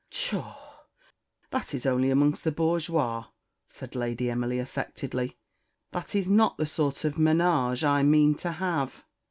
"Pshaw! that is only amongst the bourgeois," said Lady Emily affectedly; "that is not the sort of ménage I mean to have.